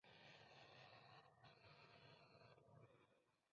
Entonces dejó la política para consagrarse a sus hijos durante cuatro o cinco años.